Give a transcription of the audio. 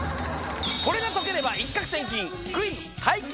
これが解ければ一獲千金『クイズ！解金！